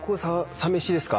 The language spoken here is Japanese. サ飯ですか？